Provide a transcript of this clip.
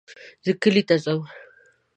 زه کلي ته ځم